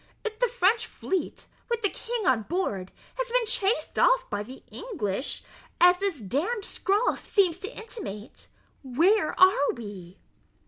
If the French fleet, with the king on board, has been chased off by the English, as this d d scrawl seems to intimate, where are we?"